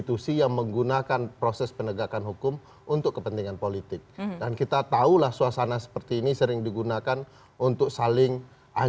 dan untuk kekasihannya republik indonesia